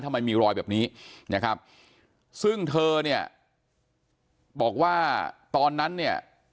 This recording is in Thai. ทำไมมีรอยแบบนี้นะครับซึ่งเธอเนี่ยบอกว่าตอนนั้นเนี่ย